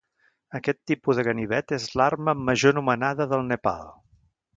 Aquest tipus de ganivet és l'arma amb major anomenada del Nepal.